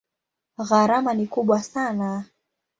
Gharama ni kubwa sana.